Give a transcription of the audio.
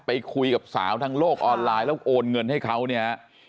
ไปคุยกับสาวทางโลกออนไลน์แล้วโอนเงินให้เขาเนี่ย